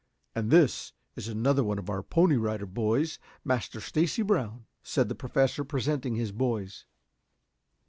And this is another one of our Pony Rider Boys, Master Stacy Brown," said the Professor, presenting his boys.